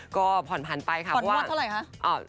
ก็ผ่อนผันไปค่ะเพราะว่าค่อนนวดเท่าไหร่ฮะ